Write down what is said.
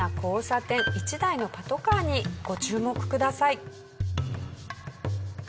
１台のパトカーにご注目ください。